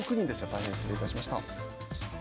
大変失礼いたしました。